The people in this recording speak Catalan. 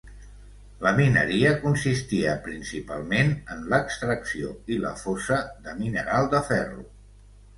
La Mineria consistia principalment en l'extracció i la fosa de mineral de ferro.